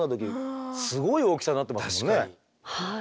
はい。